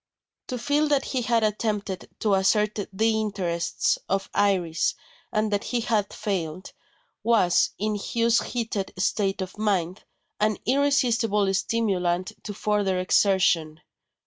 To feel that he had attempted to assert the interests of Iris, and that he had failed, was, in Hugh's heated state of mind, an irresistible stimulant to further exertion.